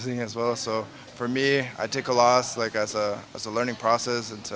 jadi untuk saya saya mengambil kalah sebagai proses pembelajaran